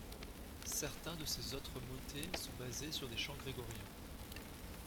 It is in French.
Certains de ses autres motets sont basés sur des chants grégoriens.